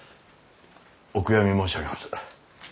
お悔やみ申し上げます。